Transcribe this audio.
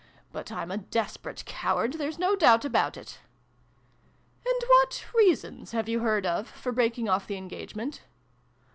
But I'm a desperate coward. There's no doubt about it !"" And what reasons have you heard of for breaking off the engagement